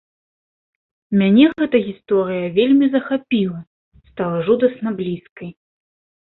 Мяне гэтая гісторыя вельмі захапіла, стала жудасна блізкай.